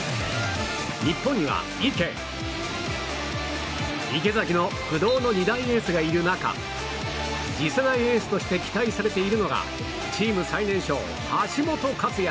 日本には池、池崎の不動の二大エースがいる中次世代エースとして期待されているのがチーム最年少、橋本勝也。